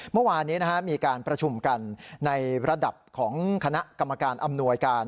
เมื่อวานนี้มีการประชุมกันในระดับของคณะกรรมการอำนวยการ